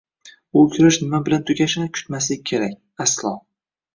Bu kurash nima bilan tugashini kutmaslik kerak! Aslo!..